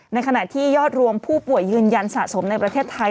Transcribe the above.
ในขณะที่ยอดรวมผู้ป่วยยืนยันสะสมในประเทศไทย